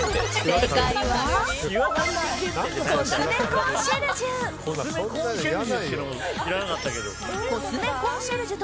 正解はコスメコンシェルジュ！